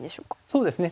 そうですね